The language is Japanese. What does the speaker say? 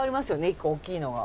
一個大きいのは。